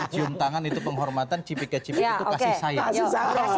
cium tangan itu penghormatan cipika cipik itu kasih sayang